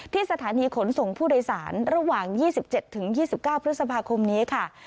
สถานีขนส่งผู้โดยสารระหว่าง๒๗๒๙พฤษภาคมนี้ค่ะ